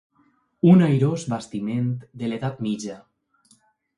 Un airós bastiment de l'edat mitja.